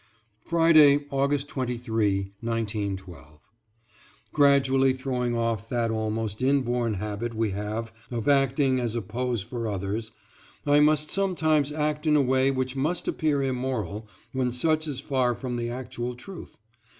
=, Friday, August 23, 1912.= Gradually throwing off that almost inborn habit we have of acting as a pose for others, I must sometimes act in a way which must appear immoral when such is far from the actual truth.